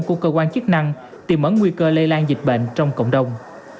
của cơ quan chức năng tìm ẩn nguy cơ lây lan dịch bệnh trong cộng đồng